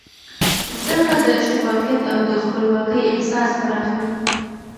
زده کړه د شفافیت او د خپلواکۍ احساس پراخوي.